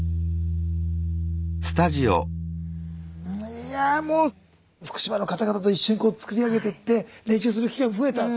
いやぁもう福島の方々と一緒にこう作り上げてって練習する機会も増えた。